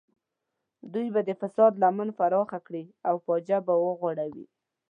دوی به د فساد لمن پراخه کړي او فاجعه به وغوړوي.